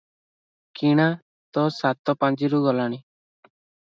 "କିଣା ତ ସାତ ପାଞ୍ଜିରୁ ଗଲାଣି ।